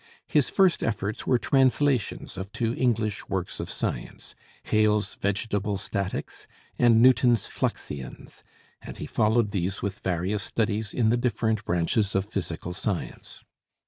His first efforts were translations of two English works of science Hale's 'Vegetable Statics' and Newton's 'Fluxions'; and he followed these with various studies in the different branches of physical science.